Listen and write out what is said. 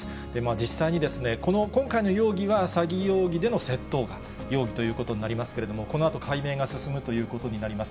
実際に今回の容疑は詐欺容疑での窃盗が容疑ということになりますけれども、このあと解明が進むということになります。